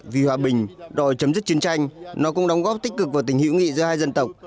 vì hòa bình đòi chấm dứt chiến tranh nó cũng đóng góp tích cực vào tình hữu nghị giữa hai dân tộc